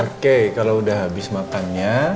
oke kalau udah habis makan ya